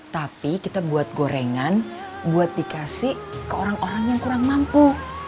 tapi kita buat gorengan buat dikasih ke orang orang yang kurang mampu